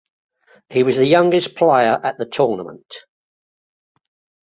He was the youngest player at the tournament.